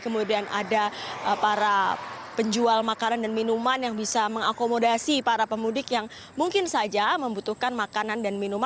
kemudian ada para penjual makanan dan minuman yang bisa mengakomodasi para pemudik yang mungkin saja membutuhkan makanan dan minuman